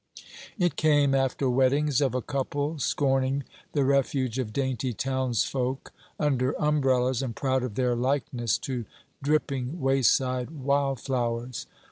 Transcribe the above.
It came, after wettings of a couple scorning the refuge of dainty townsfolk under umbrellas, and proud of their likeness to dripping wayside wildflowers.